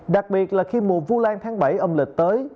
đặc biệt là khi mùa vu lan tháng bảy âm lịch tới